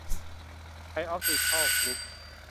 ไทยออพติคอล กรุ๊ป